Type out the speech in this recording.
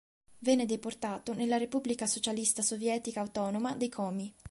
Venne deportato nella Repubblica Socialista Sovietica Autonoma dei Komi.